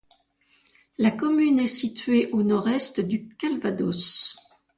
La commune est située au nord-est du Calvados.